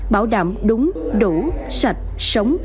bảo đảm đúng đủ sạch sống